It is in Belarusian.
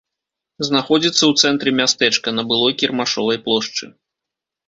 Знаходзіцца ў цэнтры мястэчка, на былой кірмашовай плошчы.